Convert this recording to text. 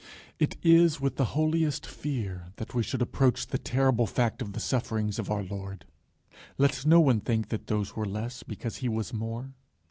It is with the holiest fear that we should approach the terrible fact of the sufferings of our Lord. Let no one think that those were less because he was more.